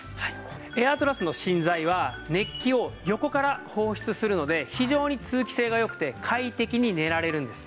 エアトラスの芯材は熱気を横から放出するので非常に通気性がよくて快適に寝られるんです。